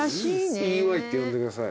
Ｅ．Ｙって呼んでください。